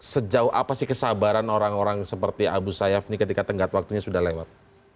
sejauh apa sih kesabaran orang orang seperti abu sayyaf ini ketika tenggat waktunya sudah lewat